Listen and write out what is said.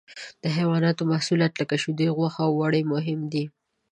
حیواني محصولات لکه شیدې، غوښه او وړۍ مهم دي.